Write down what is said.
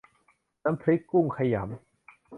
น้ำพริกกุ้งขยำ